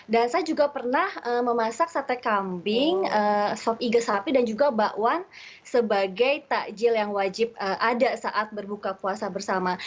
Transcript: dan saya juga pernah memasak sate kambing sop iga sapi dan juga bakwan sebagai takjil yang wajib ada saat berbuka puasa bersama